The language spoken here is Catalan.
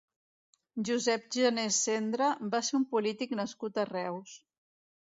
Josep Gener Sendra va ser un polític nascut a Reus.